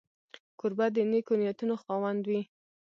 کوربه د نېکو نیتونو خاوند وي.